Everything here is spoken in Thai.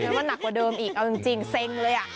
เหมือนว่านักกว่าเดิมอีกเอาจริงเซ็งเลยอ่ะ